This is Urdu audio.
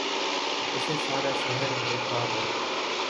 اسے سارا شہر دکھا دو